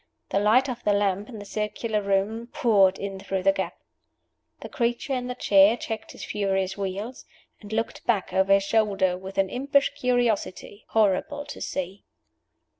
The light of the lamp in the circular room poured in through the gap. The creature in the chair checked his furious wheels, and looked back over his shoulder with an impish curiosity horrible to see.